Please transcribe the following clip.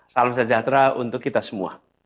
salam sejahtera untuk kita semua